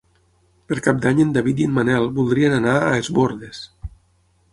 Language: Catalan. Per Cap d'Any en David i en Manel voldrien anar a Es Bòrdes.